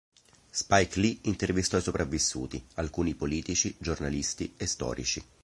Spike Lee intervistò i sopravvissuti, alcuni politici, giornalisti e storici.